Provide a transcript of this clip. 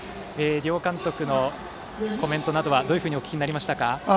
両監督のコメントなどはどうお聞きになりましたか？